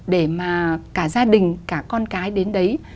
để mà cả gia đình cả con cái đến đấy